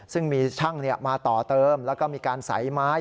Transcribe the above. ซึ่งมีช่างมาต่อเติมแล้วก็มีการใส่ไม้